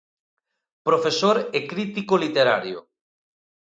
Profesor e crítico literario.